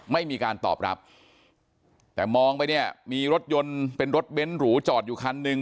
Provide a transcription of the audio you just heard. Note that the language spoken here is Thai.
ไม่มีการตอบรับแต่มองไปเนี่ยมีรถยนต์เป็นรถเบ้นหรูจอดอยู่คันหนึ่ง